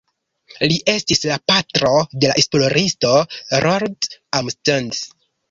Li estis la patro de la esploristo Roald Amundsen.